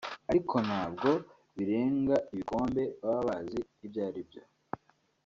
Ariko ntabwo birenga inkombe baba bazi ibyo aribyo